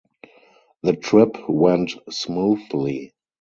The trip went smoothly.